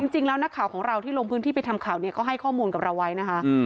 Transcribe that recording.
จริงแล้วนักข่าวของเราที่ลงพื้นที่ไปทำข่าวเนี่ยก็ให้ข้อมูลกับเราไว้นะคะ